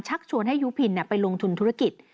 ชวนให้ยุพินไปลงทุนธุรกิจ